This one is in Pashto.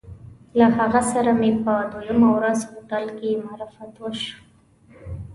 له هغه سره مې په دویمه ورځ هوټل کې معرفت وشو.